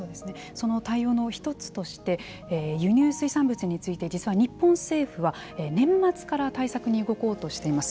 その対応の１つとして輸入水産物について実は日本政府は年末から対策に動こうとしています。